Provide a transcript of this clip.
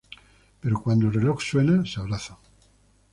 Pero cuando el reloj suena, se abrazan.